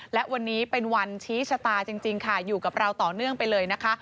และวันนี้เป็นวันชี้ชะตาจริงค่ะอยู่กับเราต่อเนื่องไปเลยนะคะ